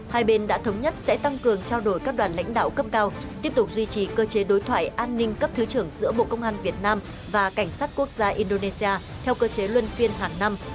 hai bên đã thống nhất sẽ tăng cường trao đổi các đoàn lãnh đạo cấp cao tiếp tục duy trì cơ chế đối thoại an ninh cấp thứ trưởng giữa bộ công an việt nam và cảnh sát quốc gia indonesia theo cơ chế luân phiên hàng năm